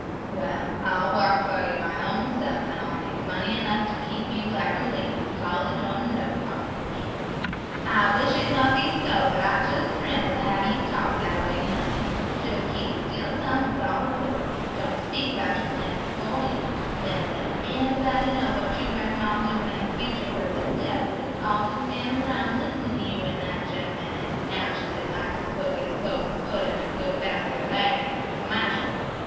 "Well, I'll wark fer you my own self, and I'll make money enough to keep you like a lady, college or no college." "I wish it mote be so; but I jes' trimbles to have you talk that a way, honey; jes' keep a still tongue and saw wood. Don't speak about your plans beforehan'. Never let anybody know what you reckon on doin' in the future 'cause the devil is always standin' 'roun' listenin' to you, an' that gen'man jes' nachally likes to put his cloven foot into a good basket of aigs an' smash 'em.